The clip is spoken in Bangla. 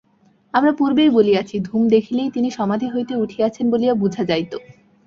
আমরা পূর্বেই বলিয়াছি, ধূম দেখিলেই তিনি সমাধি হইতে উঠিয়াছেন বলিয়া বুঝা যাইত।